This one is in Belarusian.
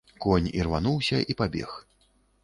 Конь ірвануўся і пабег.